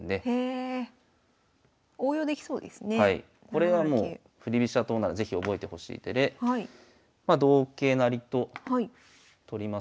これはもう振り飛車党なら是非覚えてほしい手でま同桂成と取りますよね。